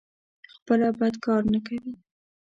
خپله بد کار نه کوي.